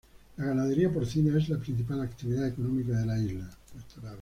La ganadería porcina es la principal actividad económica de la isla.